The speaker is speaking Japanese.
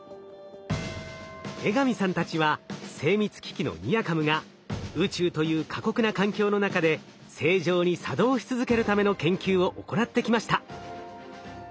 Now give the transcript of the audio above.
江上さんたちは精密機器のＮＩＲＣａｍが宇宙という過酷な環境の中で正常に作動し続けるための研究を行ってきました。